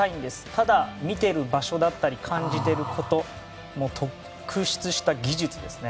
ただ、見てる場所だったり感じてること特出した技術ですね。